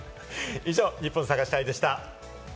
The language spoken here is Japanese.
以上、ニッポン探し隊でした。